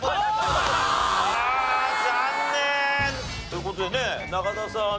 という事でね中田さん